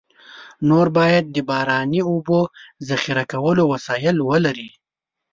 نور باید د باراني اوبو ذخیره کولو وسایل ولري.